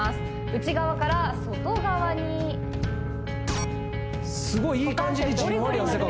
内側から外側にすごいいい感じにじんわり汗